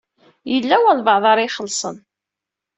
Yella walebɛaḍ ara ixelṣen.